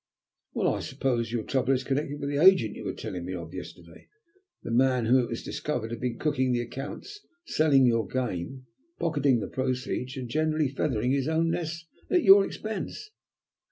"Well, I suppose your trouble is connected with the agent you were telling me of yesterday. The man who, it was discovered, had been cooking the accounts, selling your game, pocketing the proceeds, and generally feathering his own nest at your expense."